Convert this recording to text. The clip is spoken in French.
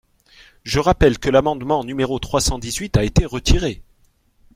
Je rappelle que l’amendement numéro trois cent dix-huit a été retiré.